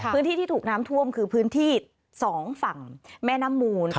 พื้นที่ที่ถูกน้ำท่วมคือพื้นที่๒ฝั่งแม่น้ำมูล